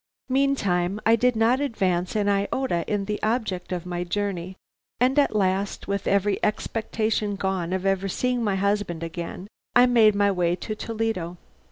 "Meantime I did not advance an iota in the object of my journey; and at last, with every expectation gone of ever seeing my husband again, I made my way to Toledo.